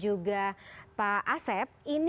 jadi pak asep